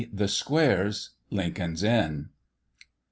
The Squares. Lincoln's Inn.